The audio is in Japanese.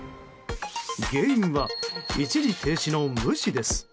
原因は一時停止の無視です。